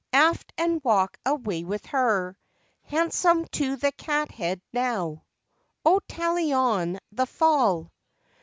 Aft and walk away with her! Handsome to the cathead, now; O tally on the fall!